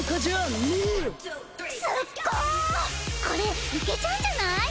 これ行けちゃうんじゃない？